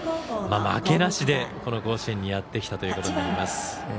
負けなしで、この甲子園にやってきたということになります。